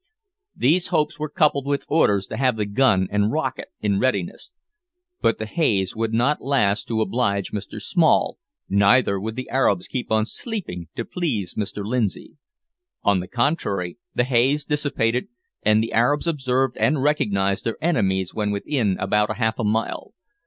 These hopes were coupled with orders to have the gun and rocket in readiness. But the haze would not last to oblige Mr Small, neither would the Arabs keep on sleeping to please Mr Lindsay. On the contrary, the haze dissipated, and the Arabs observed and recognised their enemies when within about half a mile.